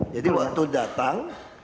jadi waktu datang